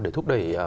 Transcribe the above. để thúc đẩy